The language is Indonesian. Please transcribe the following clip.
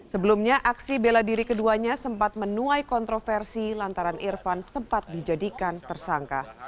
sebelumnya aksi bela diri keduanya sempat menuai kontroversi lantaran irfan sempat dijadikan tersangka